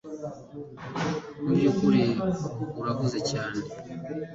Mubyukuri urahuze cyane